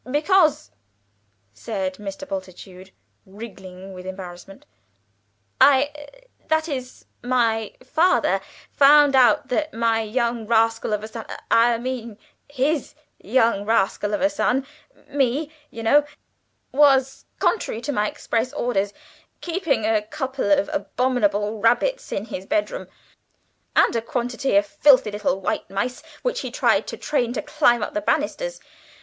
"Because," said Mr. Bultitude, wriggling with embarrassment, "I that is my father found out that my young rascal of a son I mean his young rascal of a son (me, you know) was, contrary to my express orders, keeping a couple of abominable rabbits in his bedroom, and a quantity of filthy little white mice which he tried to train to climb up the banisters.